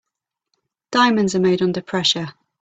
Diamonds are made under pressure.